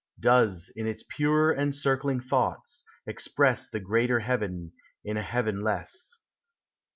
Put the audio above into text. Does, in its pure and circling thoughts, express The greater heaven in a heaven less.